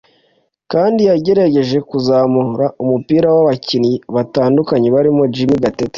kandi yagerageje kuzamura umupira w’abakinnyi batandukanye barimo Jimmy Gatete